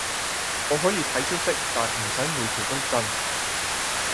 我可以睇消息，但唔使每條都震